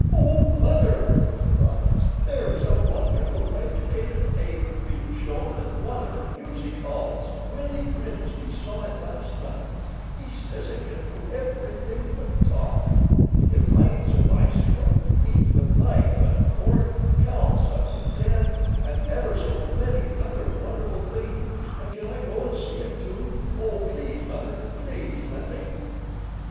"Oh, Mother," he cried, "there's a wonderful, educated ape being shown at one of the music halls. Willie Grimsby saw it last night. He says it can do everything but talk. It rides a bicycle, eats with knife and fork, counts up to ten, and ever so many other wonderful things, and can I go and see it too? Oh, please, Mother—please let me."